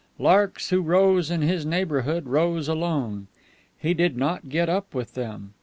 Larks who rose in his neighborhood, rose alone. He did not get up with them.